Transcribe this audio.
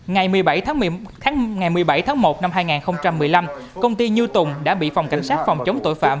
ngày một mươi bảy tháng một năm hai nghìn một mươi năm công ty như tùng đã bị phòng cảnh sát phòng chống tội phạm